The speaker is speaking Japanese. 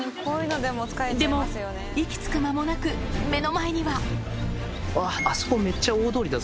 でも息つく間もなく目の前にはうわあそこ。